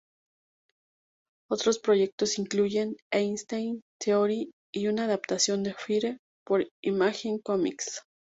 Otros proyectos incluyen "Einstein Theory" y una adaptación de "Fire", por Image Comics.